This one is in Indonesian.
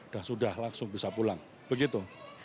dan sudah langsung bisa pulang begitu